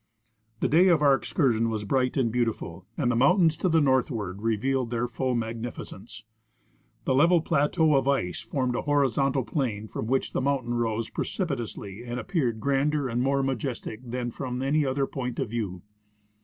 The day of our excur sion was bright and beautiful, and the mountains to the north ward revealed their full magnificence. The level plateau of ice formed a horizontal plain, from which the mountain rose jDre cipitously and appeared grander and more majestic than from any other point of view.